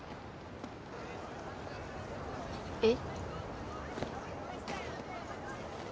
えっ